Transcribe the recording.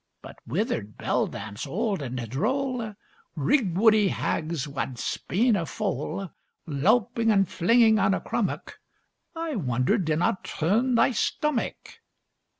But withered beldams old and droll, Rigwoodie hags wad spean a foal, Lowping and flinging on a crummock, I wonder didna turn thy stomach.